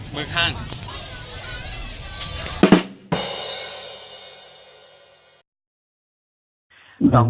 มือข้าง